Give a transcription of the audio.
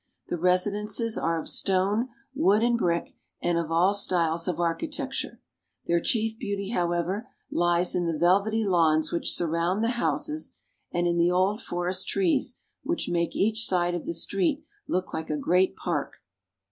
The residences are of stone, wood, and brick, and of all styles of. architecture. Their chief beauty, however, lies in the velvety lawns which surround the houses, and in the old forest trees which make each side of the street look like a great park.